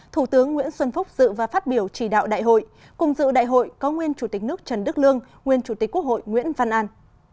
thủ tướng nguyễn xuân phúc dự và phát biểu chỉ đạo đại hội cùng dự đại hội có nguyên chủ tịch nước trần đức lương nguyên chủ tịch quốc hội nguyễn văn an